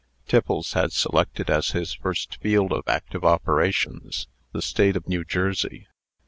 Tiffles had selected, as his first field of active operations, the State of New Jersey.